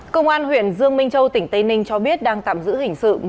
công an huyện dương minh châu tỉnh tây ninh cho biết đang tạm giữ hình sự